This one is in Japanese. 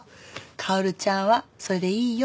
薫ちゃんはそれでいいよ。